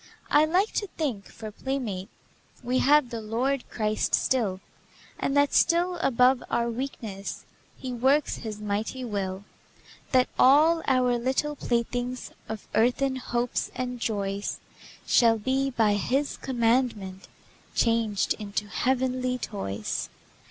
I like to think, for playmate We have the Lord Christ still, And that still above our weakness He works His mighty will, That all our little playthings Of earthen hopes and joys Shall be, by His commandment, Changed into heavenly toys.